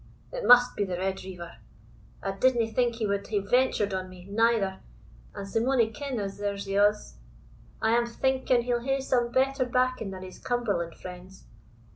It must be the Red Reiver I didna think he wad hae ventured on me, neither, and sae mony kin as there's o' us I am thinking he'll hae some better backing than his Cumberland friends.